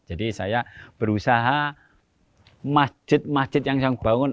jadi saya berusaha masjid masjid yang saya bangun